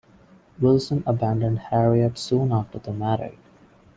Wilson abandoned Harriet soon after they married.